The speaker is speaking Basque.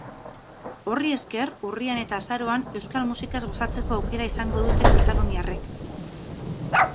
Horri esker, urrian eta azaroan euskal musikaz gozatzeko aukera izango dute kataluniarrek.